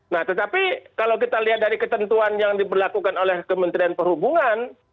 nah tetapi kalau kita lihat dari ketentuan yang diberlakukan oleh kementerian perhubungan